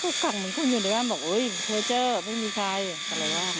ก็กังอยู่ในวันบ้างบอกเฮอเจอไม่มีใครอะไรบ้าง